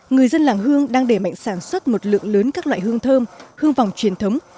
người dân làng hương đang đẩy mạnh sản xuất một lượng lớn các loại hương thơm hương vòng truyền thống